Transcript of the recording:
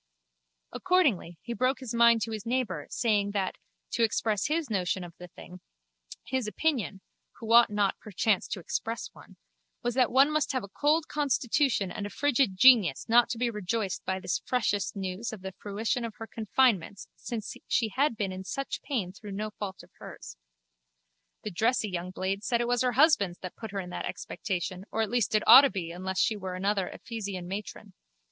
Accordingly he broke his mind to his neighbour, saying that, to express his notion of the thing, his opinion (who ought not perchance to express one) was that one must have a cold constitution and a frigid genius not to be rejoiced by this freshest news of the fruition of her confinement since she had been in such pain through no fault of hers. The dressy young blade said it was her husband's that put her in that expectation or at least it ought to be unless she were another Ephesian matron.